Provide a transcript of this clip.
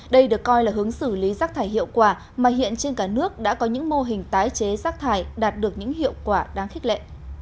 đây được coi là hướng xử lý rác thải hiệu quả mà hiện trên cả nước đã có những mô hình tái chế rác thải đạt được những hiệu quả đáng khích lệ